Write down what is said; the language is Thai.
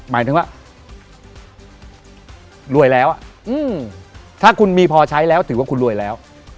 หมายถึงว่ารวยแล้วถ้าคุณมีพอใช้แล้วถือว่าคุณรวยแล้ว